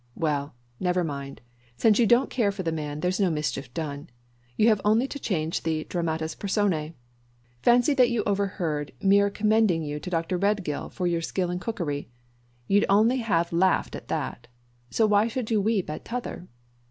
Well, never mind since you don't care for the man, there's no mischief done. You have only to change the dramatis personae. Fancy that you overheard mere commending you to Dr. Redgill for your skill in cookery you'd only have laughed at that so why should you weep at t'other.